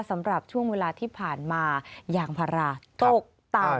สำหรับช่วงเวลาที่ผ่านมายางพาราตกต่ำ